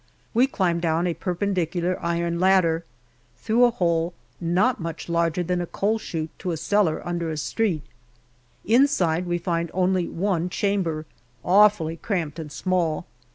We climb down a perpendicular iron ladder through a hole not much larger than a coal shoot to a cellar under a street. Inside we find only one chamber, awfully cramped and small.